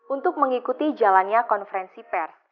untuk mengikuti jalannya konferensi pers